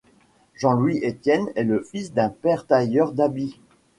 Jean-Louis Étienne est le fils d'un père tailleur d'habit.